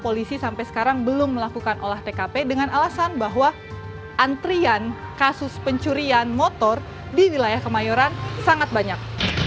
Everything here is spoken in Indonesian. polisi sampai sekarang belum melakukan olah tkp dengan alasan bahwa antrian kasus pencurian motor di wilayah kemayoran sangat banyak